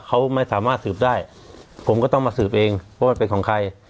เขาไม่สามารถสืบได้ผมก็ต้องมาสืบเองว่ามันเป็นของใคร